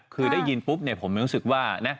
คือได้ยินปุ๊บผมรู้สึกว่านะ